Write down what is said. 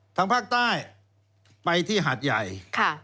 ทางภาคใต้ไปที่หาดใหญ่